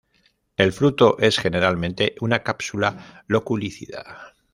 El fruto es generalmente una cápsula loculicida.